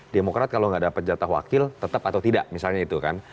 demokrat kalau nggak dapat jatah wakil tetap atau tidak misalnya itu kan